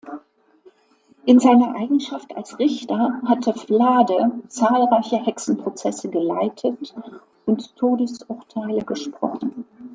In seiner Eigenschaft als Richter hatte Flade zahlreiche Hexenprozesse geleitet und Todesurteile gesprochen.